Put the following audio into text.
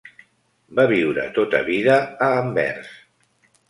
Va viure tota vida a Anvers.